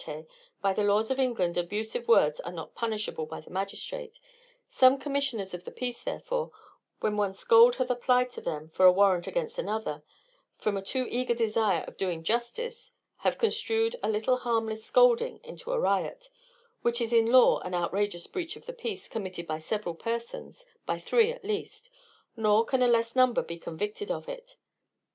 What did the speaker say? _ By the laws of England abusive words are not punishable by the magistrate; some commissioners of the peace, therefore, when one scold hath applied to them for a warrant against another, from a too eager desire of doing justice, have construed a little harmless scolding into a riot, which is in law an outrageous breach of the peace committed by several persons, by three at the least, nor can a less number be convicted of it.